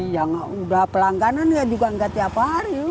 yang sudah pelangganan juga tidak setiap hari